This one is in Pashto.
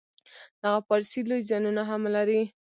دغه پالیسي لوی زیانونه هم لري.